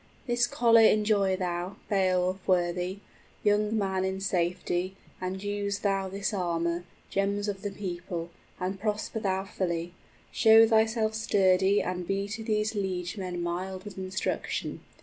} 25 "This collar enjoy thou, Beowulf worthy, Young man, in safety, and use thou this armor, Gems of the people, and prosper thou fully, Show thyself sturdy and be to these liegemen Mild with instruction!